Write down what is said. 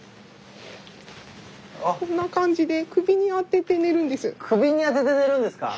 こんな感じで首に当てて寝るんですか！